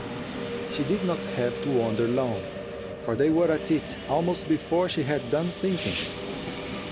She did not have to wonder long, for they were at it almost before she had done thinking.